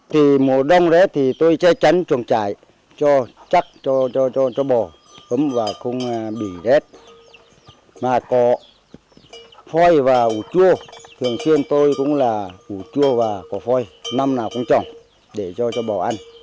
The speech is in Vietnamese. trâu bò và cỏ phôi năm nào cũng trồng để cho trâu bò ăn